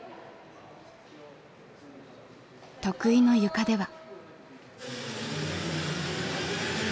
得意のゆかでは。